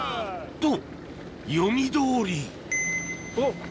と読みどおりおぉ！